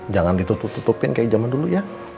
jangan ditutup tutupin kayak zaman dulu ya